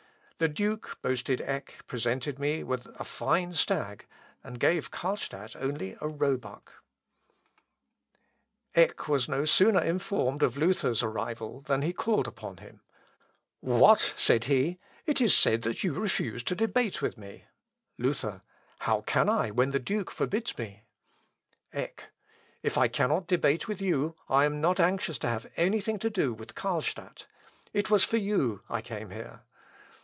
"The duke," boasted Eck, "presented me with a fine stag, and gave Carlstadt only a roebuck." L. Op. (L.) xvii, p. 243. First vol., p. 172. Seckend. p. 190. Eck was no sooner informed of Luther's arrival than he called upon him "What!" said he, "it is said that you refuse to debate with me." Luther. "How can I when the duke forbids me?" Eck. "If I cannot debate with you, I am not anxious to have any thing to do with Carlstadt. It was for you I came here."